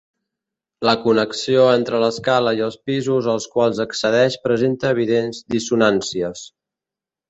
La connexió entre l’escala i els pisos als quals accedeix presenta evidents dissonàncies.